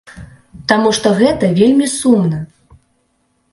Таму што гэта вельмі сумна.